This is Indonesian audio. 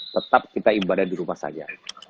tetap kita ibadah di rumah saja